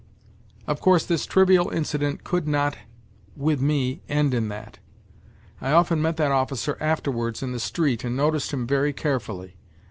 Of course, this trivial incident could not with me end in that. I often met that officer afterwards in the street and noticed him very carefully.